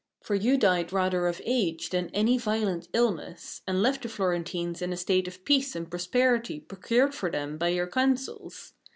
For you died rather of age than any violent illness, and left the Florentines in a state of peace and prosperity procured for them by your counsels.